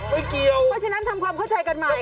ไม่เกี่ยวเพราะฉะนั้นทำความเข้าใจกันใหม่